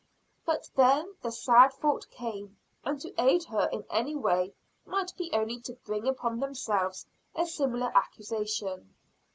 But then the sad thought came, that to aid her in any way might be only to bring upon themselves a similar accusation.